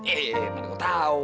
eh menurutku tahu